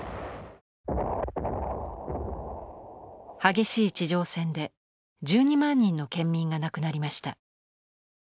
激しい地上戦で１２万人の県民が亡くなりました。